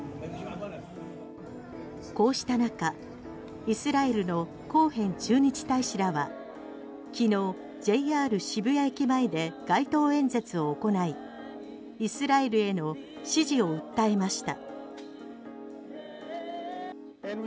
こうした中、イスラエルのコーヘン駐日大使らは昨日、ＪＲ渋谷駅前で街頭演説を行いイスラエルへの支持を訴えました。